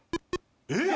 えっ？